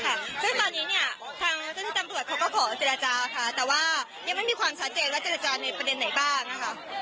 ทางเจ้าที่ตามตรวจเขาก็ขอเจรจาค่ะแต่ว่ายังไม่มีความชะเจนและเจรจาในประเด็นไหนบ้าง